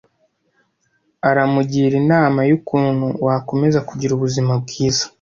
Aramugira inama yukuntu wakomeza kugira ubuzima bwiza.